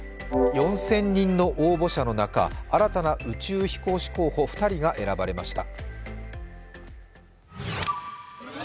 ４０００人の応募者の中新たな宇宙飛行士候補２人が選ばれました。